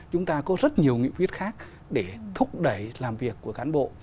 chúng ta có rất nhiều nghị quyết khác để thúc đẩy làm việc của cán bộ